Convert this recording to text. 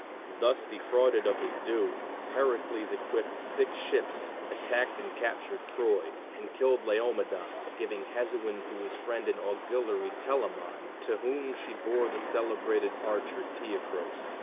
Thus defrauded of his due, Heracles equipped six ships, attacked and captured Troy, and killed Laomedon, giving Hesione to his friend and auxiliary Telamon, to whom she bore the celebrated archer Teucros.